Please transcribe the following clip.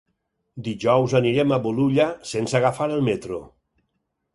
Dijous anirem a Bolulla sense agafar el metro.